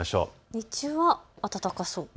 日中は暖かそうです。